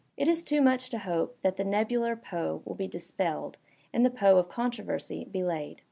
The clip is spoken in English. It is too much to hope that the nebular Poe will be dis pelled and the Poe of controveri^ be laid.